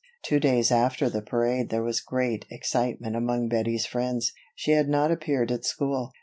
Two days after the parade there was great excitement among Bettie's friends. She had not appeared at school.